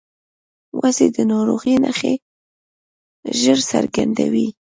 وزې د ناروغۍ نښې ژر څرګندوي